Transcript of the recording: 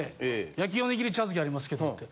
焼きおにぎり茶漬けありますけどって。